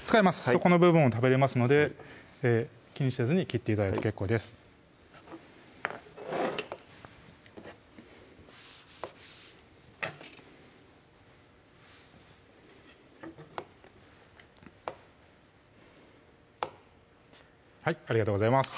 そこの部分も食べれますので気にせずに切って頂いて結構ですはいありがとうございます